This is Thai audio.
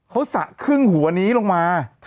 เขาสระครึ่งหัวนี้ลงมา